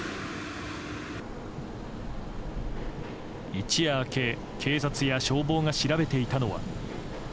一夜明け、警察や消防が調べていたのは。